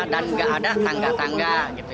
dan tidak ada tangga tangga